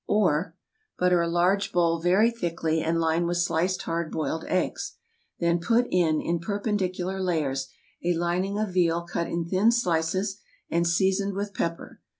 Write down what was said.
Or, Butter a large bowl very thickly, and line with sliced hard boiled eggs. Then put in, in perpendicular layers, a lining of veal cut in thin slices, and seasoned with pepper.